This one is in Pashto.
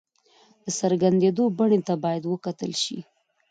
د څرګندېدو بڼې ته باید وکتل شي.